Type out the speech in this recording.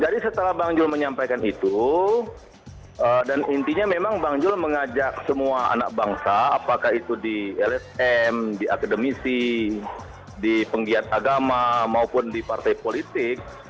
jadi setelah bang zul menyampaikan itu dan intinya memang bang zul mengajak semua anak bangsa apakah itu di lsm di akademisi di penggiat agama maupun di partai politik